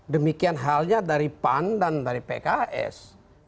demikian halnya dari pan dan dari pks